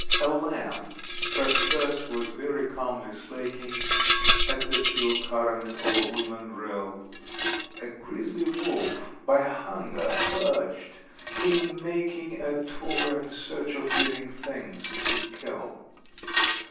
A Lamb her thirst was very calmly slaking, At the pure current of a woodland rill; A grisly Wolf, by hunger urged, came making A tour in search of living things to kill.